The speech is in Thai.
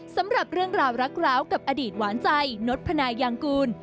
สำหรับเรื่องราวรักร้าวกับอดีตหวานใจนดพนายางกูล